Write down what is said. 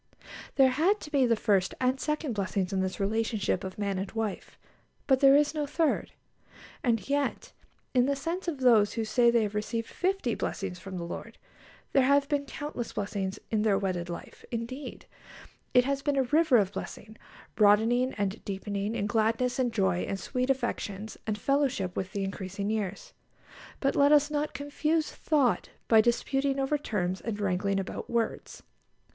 There had to be the first and second blessings in this relationship of man and wife, but there is no third. And yet in the sense of those who say they have received fifty blessings from the Lord, there have been countless blessings in their wedded life; indeed, it has been a river of blessing, broadening and deepening in gladness and joy and sweet affections and fellowship with the increasing years. But let us not confuse thought by disputing over terms and wrangling about words.